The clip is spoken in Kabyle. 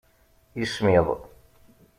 Ismiḍ.